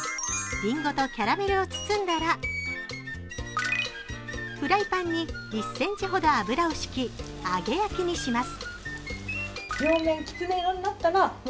りんごとキャラメルを包んだらフライパンに１ｃｍほど油をひき揚げ焼きにします。